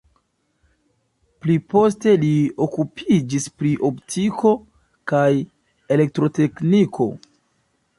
Pli poste li okupiĝis pri optiko kaj elektrotekniko.